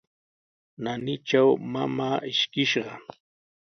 Naanitraw mamaa ishkishqa.